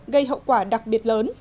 gây hậu quả đặc biệt lớn